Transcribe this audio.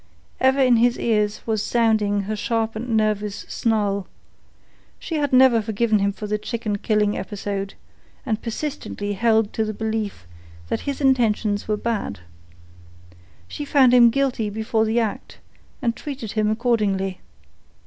Ever in his ears was sounding her sharp and nervous snarl. She had never forgiven him the chicken killing episode, and persistently held to the belief that his intentions were bad. She found him guilty before the act, and treated him accordingly.